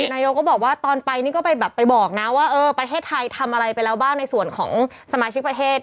นายกก็บอกว่าตอนไปนี่ก็ไปแบบไปบอกนะว่าเออประเทศไทยทำอะไรไปแล้วบ้างในส่วนของสมาชิกประเทศ